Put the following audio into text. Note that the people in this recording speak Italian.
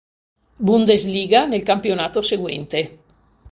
Bundesliga nel campionato seguente.